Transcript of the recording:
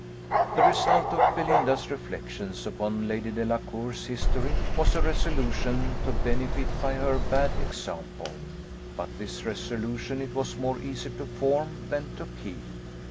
The result of Belinda's reflections upon Lady Delacour's history was a resolution to benefit by her bad example; but this resolution it was more easy to form than to keep.